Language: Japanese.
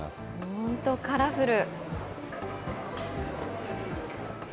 本当、カラフル。